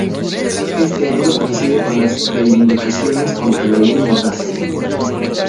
Este año coincide con las reivindicaciones contra la Ley Mordaza.